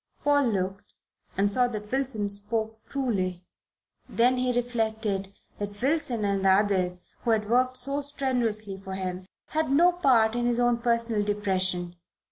Paul looked and saw that Wilson spoke truly. Then he reflected that Wilson and the others who had worked so strenuously for him had no part in his own personal depression.